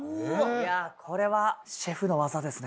これはシェフの技ですね